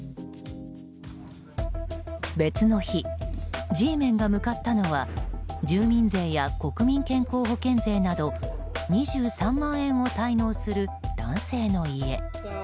別の日、Ｇメンが向かったのは住民税や国民健康保険税など２３万円を滞納する男性の家。